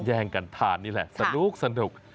แย่งกันทานนี่แหละสนุก